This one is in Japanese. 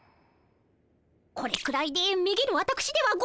これくらいでめげるわたくしではございません。